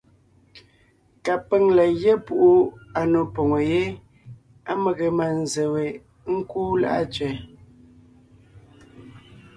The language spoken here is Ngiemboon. Kapʉ̀ŋ la gyɛ́ púʼu à nò poŋo yé á mege mânzse we ńkúu Láʼa Tsẅɛ.